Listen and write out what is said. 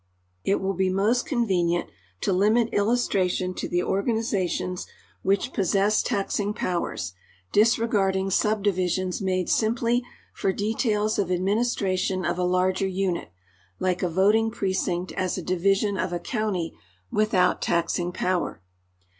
It will be most convenient to limit illustration to the organizations which possess taxing powers, disregarding subdivisions made simply for details of administration of a larger unit, like a vot ing ])recinct as a division of a county without taxing power.